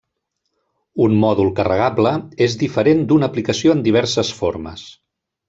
Un mòdul carregable és diferent d'una aplicació en diverses formes.